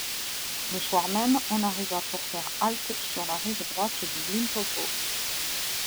Le soir même, on arriva pour faire halte sur la rive droite du Limpopo.